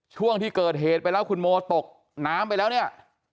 ช่วงที่เกิดเหตุไปแล้วคุณโมตกน้ำไปแล้วเนี่ย